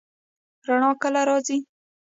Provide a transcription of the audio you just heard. رڼا کله راځي؟